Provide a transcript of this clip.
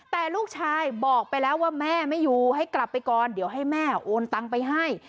แต่ลูกชายบอกไปแล้วว่าแม่ไม่อยู่ให้กลับไปก่อนเดี๋ยวให้แม่โอนตังไปให้